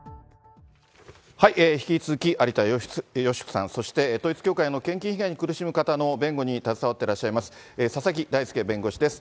引き続き、有田芳生さん、そして統一教会の献金被害に苦しむ方の弁護に携わってらっしゃいます、佐々木大介弁護士です。